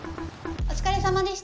お疲れさまでした。